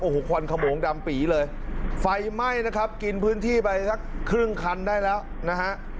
โอ้โหควันขโมงดำปีเลยไฟไหม้นะครับกินพื้นที่ไปสักครึ่งคันได้แล้วนะฮะ